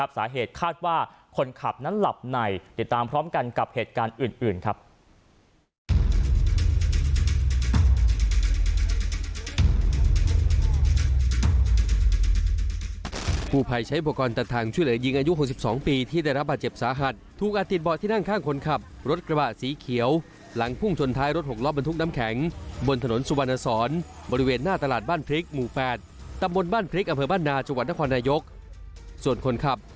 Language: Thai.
สาเหตุคาดว่าคนขับนั้นหลับในติดตามพร้อมกันกับเหตุการณ์อื่นครับ